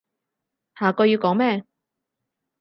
下句要講咩？